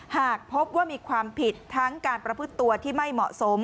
หากพบว่ามีความผิดทั้งการประพฤติตัวที่ไม่เหมาะสม